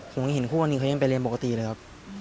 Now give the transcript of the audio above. ผมก็เห็นคู่กรณีเขายังไปเรียนปกติเลยครับ